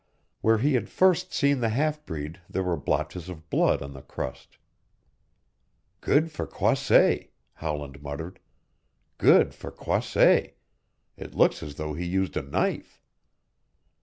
Where he had first seen the half breed there were blotches of blood on the crust. "Good for Croisset!" Howland muttered; "good for Croisset. It looks as though he used a knife."